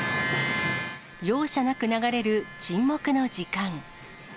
容赦なく流れる沈黙の時間。